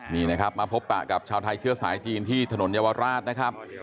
นี่นะครับมาพบปะกับชาวไทยเชื้อสายจีนที่ถนนเยาวราชนะครับ